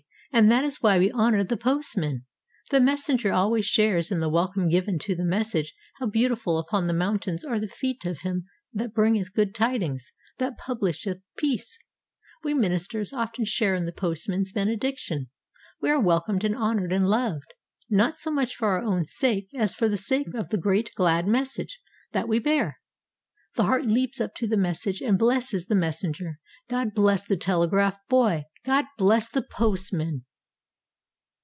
And that is why we honour the postman. The messenger always shares in the welcome given to the message How beautiful upon the mountains are the feet of him that bringeth good tidings, that publisheth peace! We ministers often share in the postman's benediction. We are welcomed and honoured and loved, not so much for our own sake as for the sake of the great, glad message that we bear. The heart leaps up to the message and blesses the messenger. God bless the telegraph boy! God bless the postman!